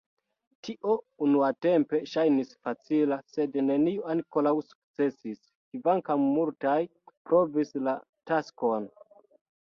Tio unuatempe ŝajnis facila, sed neniu ankoraŭ sukcesis, kvankam multaj provis la taskon.